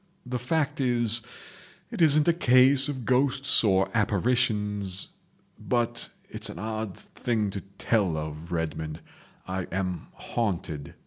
The fact is—it isn't a case of ghosts or apparitions—but—it's an odd thing to tell of, Redmond—I am haunted.